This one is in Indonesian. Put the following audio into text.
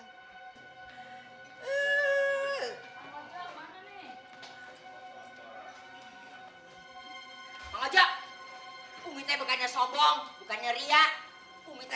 tuh kan beli bubur dua